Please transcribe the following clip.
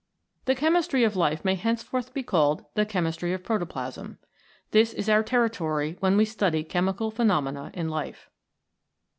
The Chemistry of Life may henceforth be called the Chemistry of Protoplasm. This is our territory when we study Chemical Phenomena in Life.